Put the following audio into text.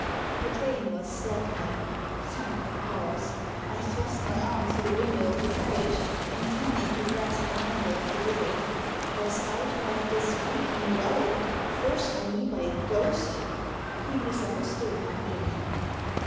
The train was slackening. Thank the powers ! I thrust my arm through the window of the carriage, intending to grasp the handle of the door. Was I to have this reeking relic forced on me by a ghost ! He misunderstood my meaning.